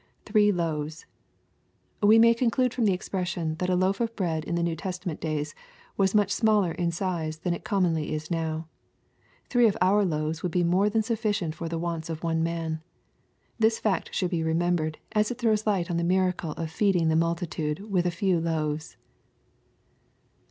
[Three loaves^ We may conclude from this expression, that a \oaS of bread in the New Testament days was much smaller in size than it commonly is now. Three of our loaves would be more than sufficient for the wants of one man. This fact should be remem bered, as it throws light on the miracle of feeding the multitude with a few loaves.